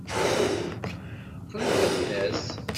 Qṛib ad tas.